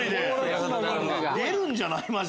出るんじゃない？